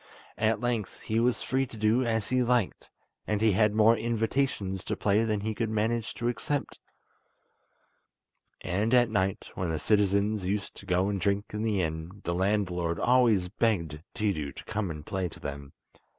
At length he was free to do as he liked, and he had more invitations to play than he could manage to accept, and at night, when the citizens used to go and drink in the inn, the landlord always begged Tiidu to come and play to them.